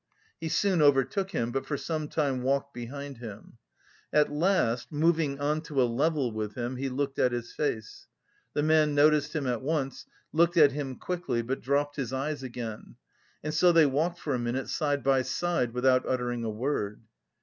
He soon overtook him, but for some time walked behind him. At last, moving on to a level with him, he looked at his face. The man noticed him at once, looked at him quickly, but dropped his eyes again; and so they walked for a minute side by side without uttering a word.